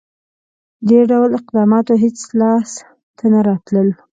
• دې ډول اقداماتو هېڅ لاسته نه راتلل.